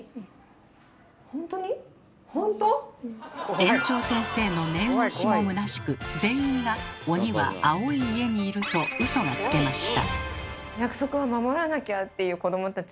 園長先生の念押しもむなしく全員が「鬼は青い家にいる」とウソがつけました。